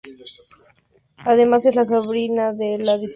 Además es la sobrina de la diseñadora de bolsos Kate Spade.